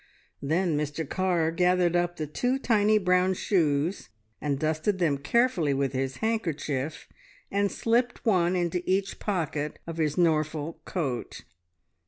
Then Mr Carr gathered up the two tiny brown shoes and dusted them carefully with his handkerchief, and slipped one into each pocket of his Norfolk coat.